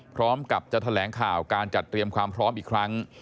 พร้อมกับจะแถลงข่าวการจัดเตรียมความพร้อมอีกครั้ง